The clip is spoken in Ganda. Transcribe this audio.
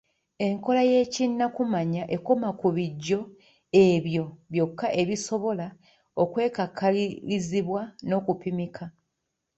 Enkola y’ekinnakumanya ekoma ku bijjo ebyo byokka ebisobola okwekakalirizibwa n’okupimika.